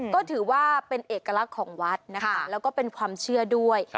ก็ถือว่าเป็นเอกลักษณ์ของวัดนะคะแล้วก็เป็นความเชื่อด้วย